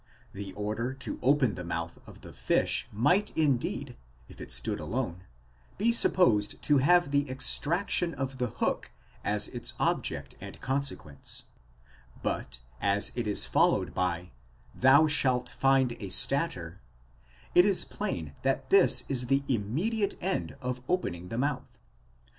The order to open the mouth of the fish might indeed, if it stood alone, be supposed to have the extraction of the hook as its object and consequence ; but as it is followed by εὑρήσεις στατῆρα, thou shalt find a stater, it is plain that this is the immediate end of opening the mouth.